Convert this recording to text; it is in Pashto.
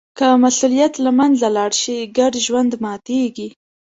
که مسوولیت له منځه لاړ شي، ګډ ژوند ماتېږي.